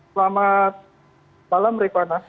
selamat malam rikwana